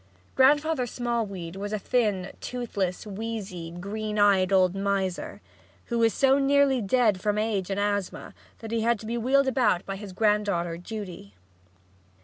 Grandfather Smallweed was a thin, toothless, wheezy, green eyed old miser, who was so nearly dead from age and asthma that he had to be wheeled about by his granddaughter Judy.